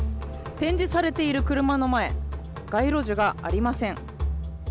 展示されている車の前街路樹がありません。